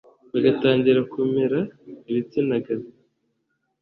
bagatangira kumera ibitsina gabo